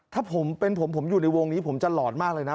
ถ้าผมเป็นผมผมอยู่ในวงนี้ผมจะหลอนมากเลยนะ